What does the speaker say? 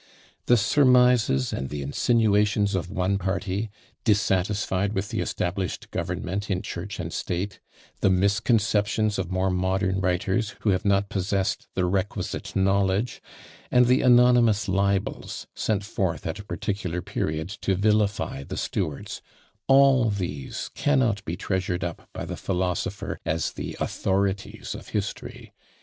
The surmises and the insinuations of one party, dissatisfied with the established government in church and state; the misconceptions of more modern writers, who have not possessed the requisite knowledge; and the anonymous libels, sent forth at a particular period to vilify the Stuarts; all these cannot be treasured up by the philosopher as the authorities of history.